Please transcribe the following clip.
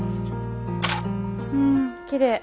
うんきれい。